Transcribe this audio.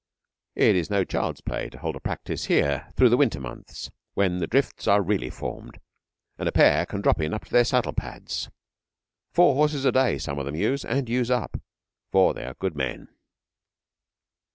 It is no child's play to hold a practice here through the winter months, when the drifts are really formed, and a pair can drop in up to their saddle pads. Four horses a day some of them use, and use up for they are good men.